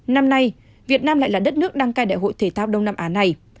năm nay việt nam lại là đất nước đăng cai đại hội thể thao đông nam á này